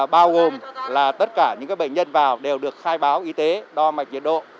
bao gồm là tất cả những bệnh nhân vào đều được khai báo y tế đo mạch nhiệt độ